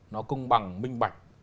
nó công bằng minh bạch